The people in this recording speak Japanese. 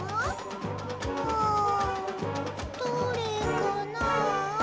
うんどれかなあ？